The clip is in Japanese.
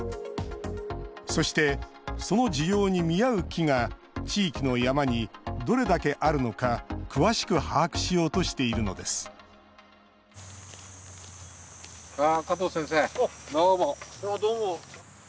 そして、その需要に見合う木が地域の山にどれだけあるのか詳しく把握しようとしているのですどうも。